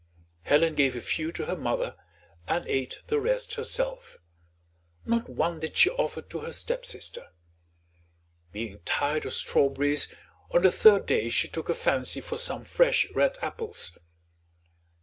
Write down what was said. Helen gave a few to her mother and ate the rest herself; not one did she offer to her stepsister. Being tired of strawberries, on the third day she took a fancy for some fresh red apples.